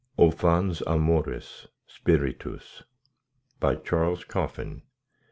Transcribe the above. O FONS AMORIS, SPIRITUS By Charles Coffin.